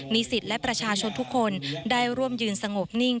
สิทธิ์และประชาชนทุกคนได้ร่วมยืนสงบนิ่ง